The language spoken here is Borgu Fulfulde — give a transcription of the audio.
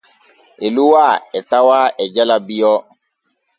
Eduwaa e tawaa e jala Bio.